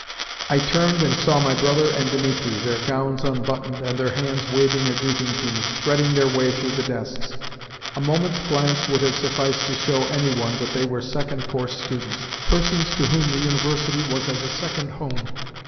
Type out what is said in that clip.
I turned and saw my brother and Dimitri their gowns unbuttoned, and their hands waving a greeting to me threading their way through the desks. A moment's glance would have sufficed to show any one that they were second course students persons to whom the University was as a second home.